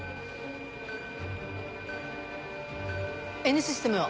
Ｎシステムは？